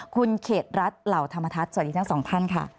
คุณเขตรัฐเหล่าธรรมทัศน์สวัสดีทั้งสองท่านค่ะ